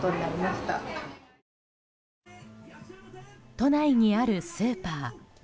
都内にあるスーパー。